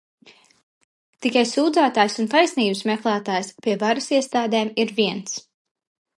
Tikai sūdzētājs un taisnības meklētājs pie varas iestādēm ir viens.